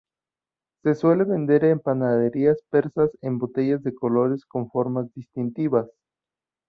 Se suele vender en panaderías persas en botellas de colores con formas distintivas.